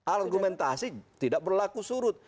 argumentasi tidak berlaku surut